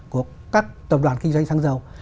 của các tổng đoàn kinh doanh xăng dầu